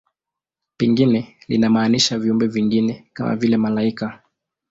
Pengine linamaanisha viumbe vingine, kama vile malaika.